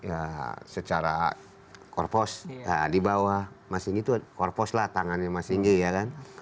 ya secara korpos nah di bawah mas ingi itu korpos lah tangannya mas singgi ya kan